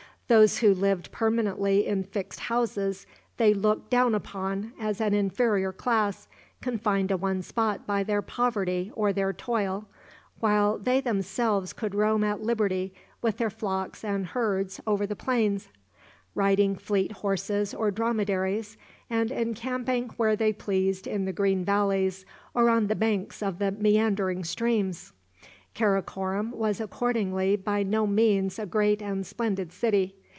Those who lived permanently in fixed houses they looked down upon as an inferior class, confined to one spot by their poverty or their toil, while they themselves could roam at liberty with their flocks and herds over the plains, riding fleet horses or dromedaries, and encamping where they pleased in the green valleys or on the banks of the meandering streams. Karakorom was accordingly by no means a great and splendid city.